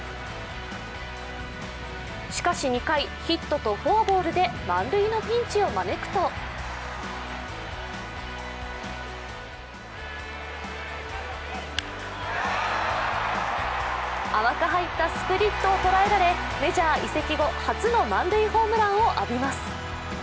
しかし２回、ヒットとフォアボールで満塁のピンチを招くと甘く入ったスプリットを捉えられメジャー移籍後初の満塁ホームランを浴びます。